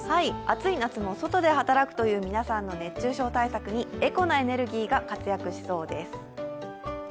暑い夏も外で働くという皆さんの熱中症対策にエコなエネルギーが活躍しそうです。